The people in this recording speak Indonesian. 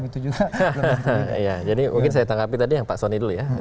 saya akan menanggapi yang pak sony dulu